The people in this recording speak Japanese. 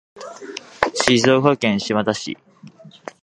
静岡県島田市